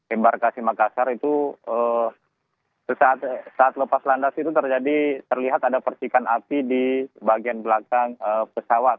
embarkasi makassar itu saat lepas landas itu terlihat ada percikan api di bagian belakang pesawat